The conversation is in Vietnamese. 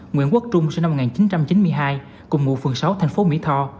nguyễn quốc trung sinh năm một nghìn chín trăm chín mươi hai cùng ngụ phường sáu thành phố mỹ tho